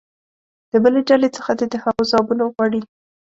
د بلې ډلې څخه دې د هغو ځوابونه وغواړي.